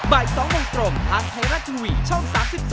บ่าย๒โมงตรงทางไทยรัฐทีวีช่อง๓๒